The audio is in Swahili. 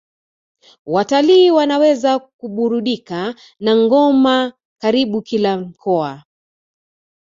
Watalii wanaweza kuburudika na ngoma karibu kila mkoa